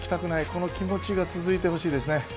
この気持ちが続いてほしいですね。